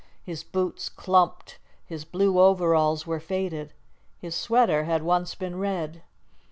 His boots clumped, his blue overalls were faded, his sweater had once been red.